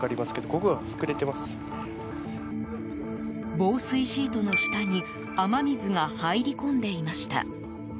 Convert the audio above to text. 防水シートの下に雨水が入り込んでいました。